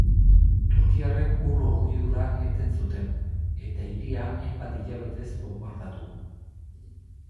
Turkiarrek ur hornidura eten zuten eta hiria hainbat hilabetez bonbardatu.